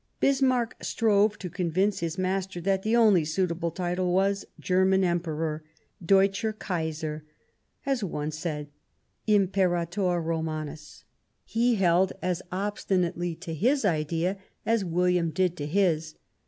Bismarck strove to convince his master that the only suitable title was " German Emperor," Deutscher Kaiser, as one said, Imperaior Romanics. 163 Bismarck He held as obstinately to his idea as William did to his.